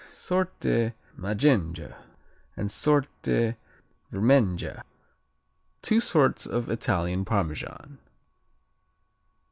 Sorte Maggenga and Sorte Vermenga Two "sorts" of Italian Parmesan.